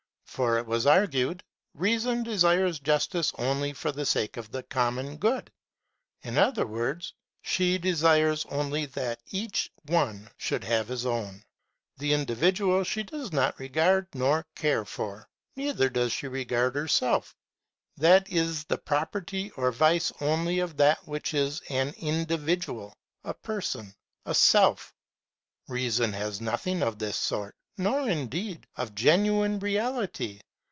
For, it was argued, Reason desires justice only for the sake of the common good, in other words, she desires only that each one should have his own ; the individual she does not regard nor care for. Neither does she regard herself; — that is the property or vice only of that which is an indi vidual, a person, a self. Reason has nothing of this sort, nor indeed, of genuine reality.